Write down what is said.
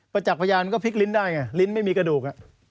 จักษ์พยานก็พลิกลิ้นได้ไงลิ้นไม่มีกระดูก